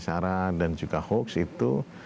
searah dan juga hoaks itu